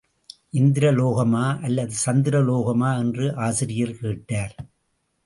இந்திரலோகமா அல்லது சந்திர லோகமா என்று ஆசிரியர் கேட்டார்.